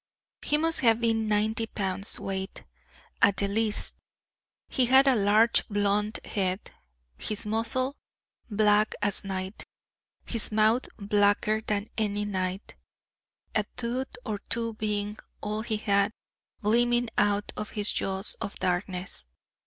He must have been ninety pounds' weight, at the least; he had a large blunt head; his muzzle black as night, his mouth blacker than any night, a tooth or two being all he had gleaming out of his jaws of darkness.